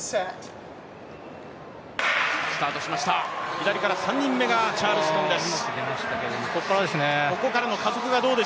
左から３人目がチャールストンです。